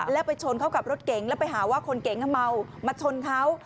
แล้วไปชนเข้ากับรถเก๋งแล้วไปหาว่าคนเก๋งเมามาชนเขา